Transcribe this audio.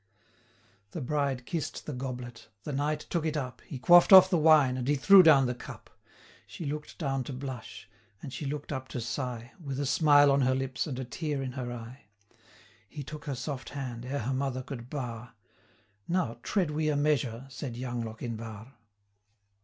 The bride kiss'd the goblet: the knight took it up, He quaff'd off the wine, and he threw down the cup. She look'd down to blush, and she look'd up to sigh, With a smile on her lips, and a tear in her eye. 340 He took her soft hand, ere her mother could bar, 'Now tread we a measure!' said young Lochinvar.